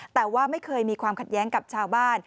แต่ว่าไม่เคยมีความขัดแย้งกับชาวบ้าน